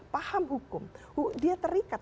paham hukum dia terikat